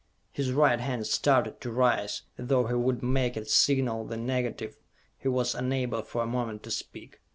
His right hand started to rise, as though he would make it signal the negative he was unable for a moment to speak.